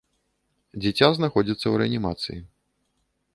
Дзіця знаходзіцца ў рэанімацыі.